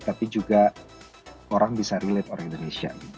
tapi juga orang bisa relate orang indonesia